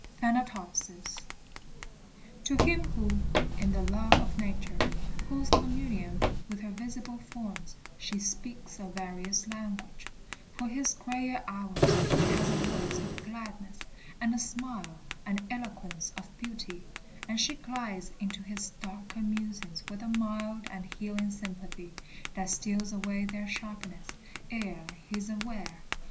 THANATOPSIS. To him who, in the love of Nature, holds Communion with her visible forms, she speaks A various language: for his gayer hours She has a voice of gladness, and a smile And eloquence of beauty; and she glides Into his darker musings with a mild And healing sympathy, that steals away Their sharpness, ere he is aware.